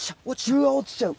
うわ落ちちゃう。